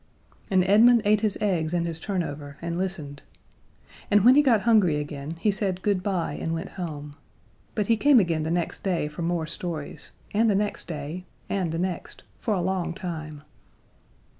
And Edmund ate his eggs and his turnover, and listened. And when he got hungry again he said good bye and went home. But he came again the next day for more stories, and the next day, and the next, for a long time.